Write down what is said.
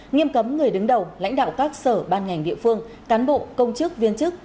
nghiêm cấm người đứng đầu lãnh đạo các sở ban ngành địa phương cán bộ công chức viên chức